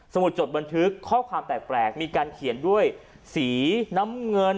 มุดจดบันทึกข้อความแปลกมีการเขียนด้วยสีน้ำเงิน